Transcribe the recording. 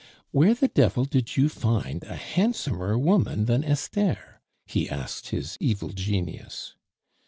"Where the devil did you find a handsomer woman than Esther?" he asked his evil genius.